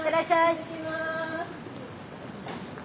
行ってきます。